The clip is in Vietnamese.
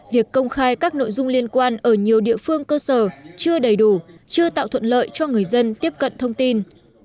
việc công khai các nội dung liên quan ở nhiều địa phương cơ sở chưa đầy đủ chưa tạo thuận lợi cho người dân tiếp cận thông tin